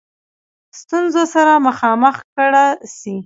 ستونزو سره مخامخ کړه سي.